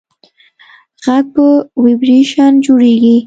غږ په ویبرېشن جوړېږي.